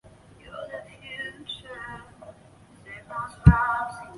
根据艺能事务所的意向所组成的偶像乐团。